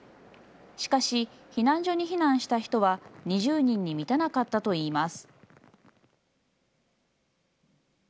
しかし、避難所に避難した人は２０人に満たなかったといいます。